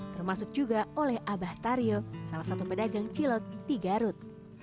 termasuk juga oleh abah taryo salah satu pedagang cilok di garut